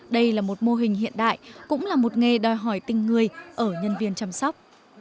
đây là một mô hình hiện đại cũng là một nghề đòi hỏi tình người ở nhân viên chăm sóc